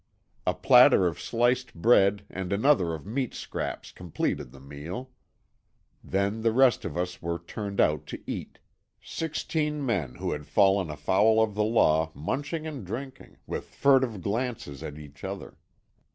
A platter of sliced bread and another of meat scraps completed the meal. Then the rest of us were turned out to eat; sixteen men who had fallen afoul of the law munching and drinking, with furtive glances at each other.